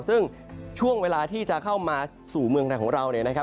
ซึ่งช่วงเวลาที่จะเข้ามาสู่เมืองไทยของเรา